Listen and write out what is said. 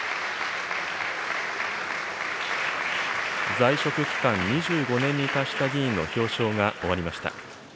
在職期間２５年に達した議員の表彰が終わりました。